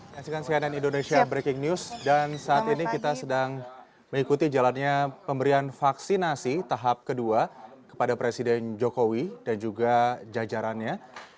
kasihkan cnn indonesia breaking news dan saat ini kita sedang mengikuti jalannya pemberian vaksinasi tahap kedua kepada presiden jokowi dan juga jajarannya